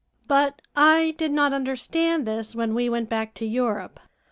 But I did not understand this when we went back to Europe.